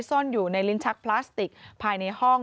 ซ่อนอยู่ในลิ้นชักพลาสติกภายในห้อง